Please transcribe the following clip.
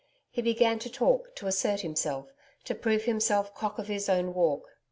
He began to talk, to assert himself, to prove himself cock of his own walk.